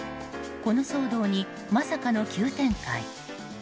この騒動に、まさかの急展開。